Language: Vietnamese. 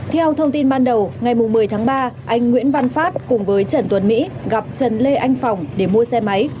theo thông tin ban đầu ngày một mươi tháng ba anh nguyễn văn phát cùng với trần tuấn mỹ gặp trần lê anh phòng để mua xe máy